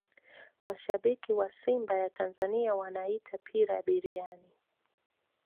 mashabiki wa simba ya tanzania wanaita pira biriani